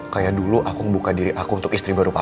kayak dulu aku ngebuka diri aku untuk istri baru aku